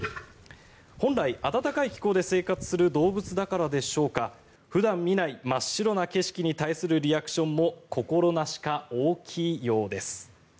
本来、暖かい気候で生活する動物だからでしょうか普段見ない真っ白な景色に対するリアクションも心なしか大きいようです。